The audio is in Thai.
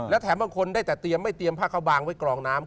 และแถมบางคนได้แต่เตรียมไม่เตรียมผ้าข้าวบางไว้กรองน้ำ